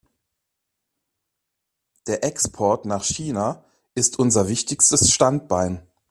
Der Export nach China ist unser wichtigstes Standbein.